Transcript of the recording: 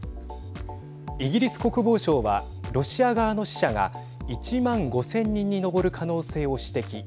イギリス国防省はロシア側の死者が１万５０００人に上る可能性を指摘。